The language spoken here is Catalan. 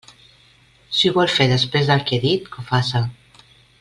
Si ho vol fer, després del que he dit, que ho faça!